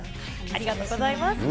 ありがとうございます。